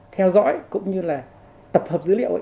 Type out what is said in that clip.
theo dõi cũng như là tập hợp dữ liệu